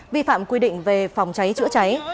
vi phạm quy định về phòng cháy chữa cháy